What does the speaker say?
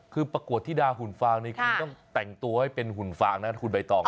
คือประกวดธิดาหุ่นฟางนี่คุณต้องแต่งตัวให้เป็นหุ่นฟางนะคุณใบตอง